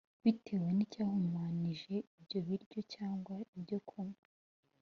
Bitewe n’icyahumanije ibyo biryo cyangwa ibyo kunywa